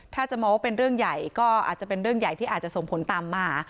ถ้าจะมองว่าเป็นเรื่องใหญ่ก็อาจจะเป็นเรื่องใหญ่ที่อาจจะส่งผลตามมา